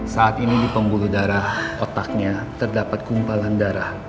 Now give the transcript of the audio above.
saat ini di pembuluh darah otaknya terdapat kumpalan darah